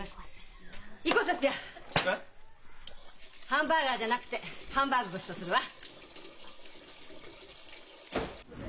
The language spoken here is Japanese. ハンバーガーじゃなくてハンバーグごちそうするわ。